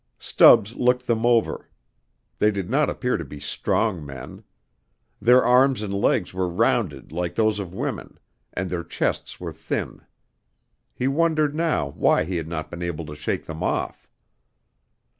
Stubbs looked them over; they did not appear to be strong men. Their arms and legs were rounded like those of women, and their chests were thin. He wondered now why he had not been able to shake them off.